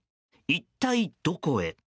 一体どこへ。